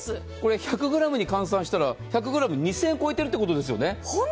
１００ｇに換算したら１００ｇ２０００円を超えているということですよね。